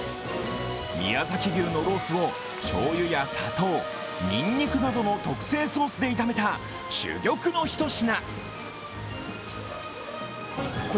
宮崎牛のロースをしょうゆや砂糖、にんにくなどの特製ソースで炒めた珠玉の一品。